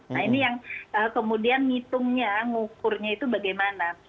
nah ini yang kemudian ngitungnya ngukurnya itu bagaimana